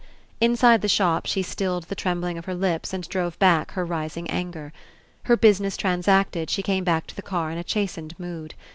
Inside the shop, she stilled the trembling of her lips and drove back her rising anger. Her business transacted, she came back to the car In a chastened mood.